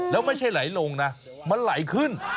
แล้วไม่ใช่ไหลลงนะมันไหลขึ้น